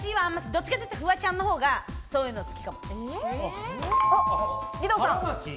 どっちかというとフワちゃんの方がそういうの好きかも。